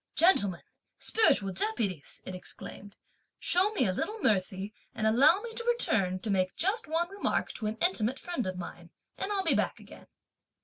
"Gentlemen, spiritual deputies," it exclaimed; "show me a little mercy and allow me to return to make just one remark to an intimate friend of mine, and I'll be back again."